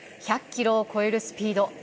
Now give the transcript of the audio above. １００キロを超えるスピード。